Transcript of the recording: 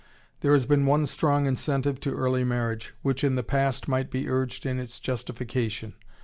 There has been one strong incentive to early marriage, which in the past might be urged in its justification.